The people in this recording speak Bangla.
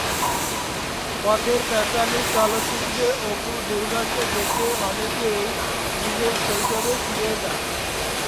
পথের পাঁচালী চলচ্চিত্রে অপু-দুর্গাকে দেখে অনেকেই নিজের শৈশবে ফিরে যায়।